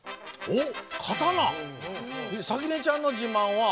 おっ！